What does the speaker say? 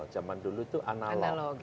zaman dulu itu analog